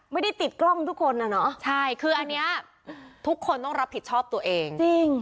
ไม่ได้ติดกล้องทุกคนน่ะเนอะใช่คืออันนี้ทุกคนต้องรับผิดชอบตัวเองจริง